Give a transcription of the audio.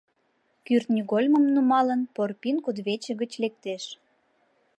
Кӱртньыгольмым нумалын, Порпин кудывече гыч лектеш.